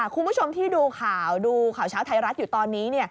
คุณผู้ชมที่ดูข่าวดูข่าวเช้าไทยรัฐอยู่ตอนนี้